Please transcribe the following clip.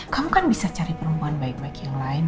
kamu kan bisa cari perempuan baik baik yang lain